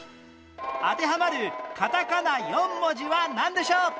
当てはまるカタカナ４文字はなんでしょう？